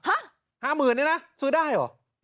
ห้าหมื่นนี่นะซื้อได้เหรอ